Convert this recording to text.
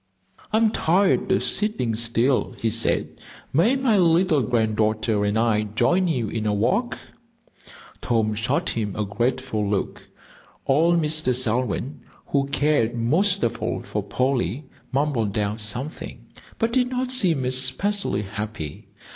"I am tired of sitting still," he said. "May my little granddaughter and I join you in a walk?" Tom shot him a grateful look. Old Mr. Selwyn, who cared most of all for Polly, mumbled out something, but did not seem especially happy.